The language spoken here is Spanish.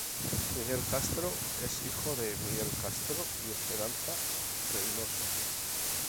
Miguel Castro es hijo de Miguel Castro y Esperanza Reynoso.